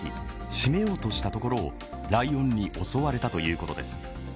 閉めようとしたところをライオンに襲われたということです。